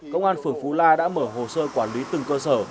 công an phường phú la đã mở hồ sơ quản lý từng cơ sở